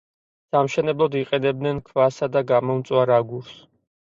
სამშენებლოდ იყენებდნენ ქვას და გამომწვარ აგურს.